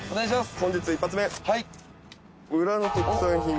本日一発目。